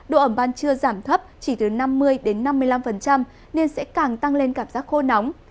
độ ẩm ban trưa giảm thấp chỉ từ năm mươi năm mươi năm nên sẽ càng tăng lên cảm giác khô nóng